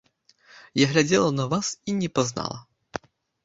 Я глядзела на вас і не пазнала.